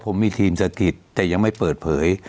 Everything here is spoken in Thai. ผมมีทีมสถิตแต่ยังไม่เปิดเผย